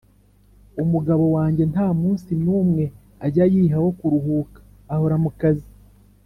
Umugabo wanjye nta munsi n’umwe ajya yiha wo kuruhuka ahora mu kazi,